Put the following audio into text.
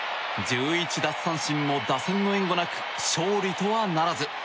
１１奪三振も打線の援護なく勝利とはならず。